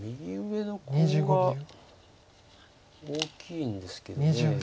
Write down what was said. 右上のコウが大きいんですけど。